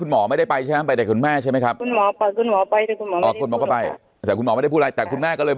น่าจะไปตัดแว่นใส่ตาสักหน่อยก็คุณหมออายุ๓๐ปีแล้ว